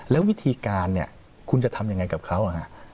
แล้ววิธีการเนี่ยคุณจะทำยังไงกับเขา